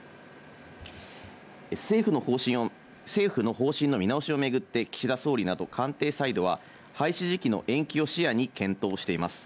政府の方針を政府の方針の見直しを巡って岸田総理など官邸サイドは、廃止時期の延期を視野に検討しています。